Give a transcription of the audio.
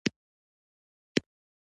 غږ د وصل سندره ده